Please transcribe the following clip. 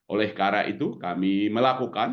oleh karena itu kami melakukan